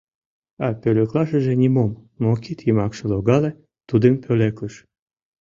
А пӧлеклашыже нимом, мо кид йымакше логале, тудым пӧлеклыш.